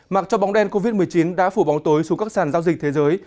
mặc cho bóng đen covid một mươi chín đã phủ bóng tối xuống các sàn giao dịch thế giới